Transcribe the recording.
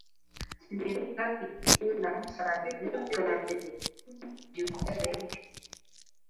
Sinibuka igihe namusanze bwa mbere. byukusenge